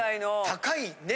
高いね